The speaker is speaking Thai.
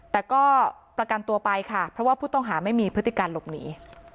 แต่ก็ประกันตัวไปค่ะเพราะว่าผู้ต้องหาไม่มีพฤติการหลบหนี